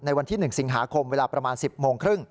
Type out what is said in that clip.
วันที่๑สิงหาคมเวลาประมาณ๑๐โมงครึ่ง